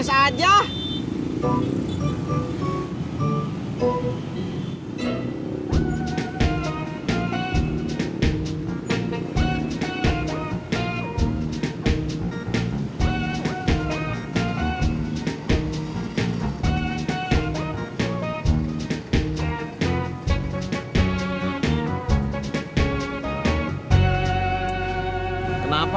sekarang kepulauan saya